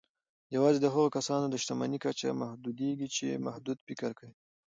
يوازې د هغو کسانو د شتمني کچه محدودېږي چې محدود فکر کوي.